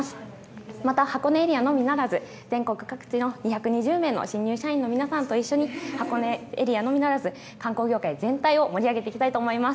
また、箱根エリアのみならず、全国各地の２２０名の新入社員の皆さんと一緒に、箱根エリアのみならず、観光業界全体を盛り上げていきたいと思います。